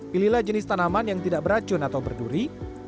pilihlah jenis tanaman yang tidak beracun atau berduri